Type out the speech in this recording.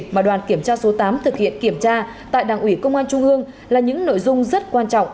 mà đoàn kiểm tra số tám thực hiện kiểm tra tại đảng ủy công an trung ương là những nội dung rất quan trọng